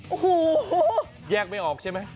โอ้โหแยกไม่ออกใช่ไหม